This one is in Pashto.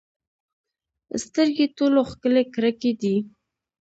سترګې ټولو ښکلې کړکۍ دي.